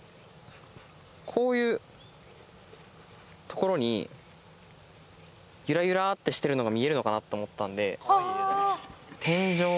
こういう所にユラユラってしてるのが見えるのかなと思ったんで。